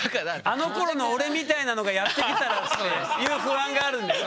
あのころの俺みたいなのがやって来たらっていう不安があるんですよ。